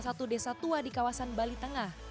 satu desa tua di kawasan bali tengah